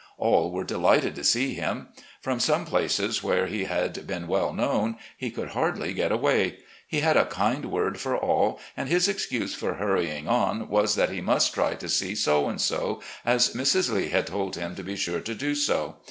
All were delighted to see him. From some places where he had been well known he could hardly get away. He had a kind word for all, and his excuse for hurrying on was that he must try to see so and so, as Mrs. Lee had told him to be sure to do so.